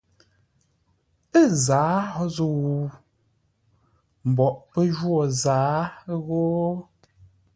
Ə zǎa hó zə̂u? Mboʼ pə́ jwô zǎa ghó?